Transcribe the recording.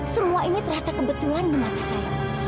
semua ini terasa kebetulan di mata saya